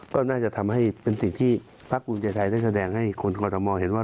ก็น่าจะทำให้เป็นสิ่งที่ภาคภูมิใจไทยได้แสดงให้คนกรทมเห็นว่า